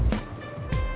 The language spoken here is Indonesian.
jalan bukan lo yang jalan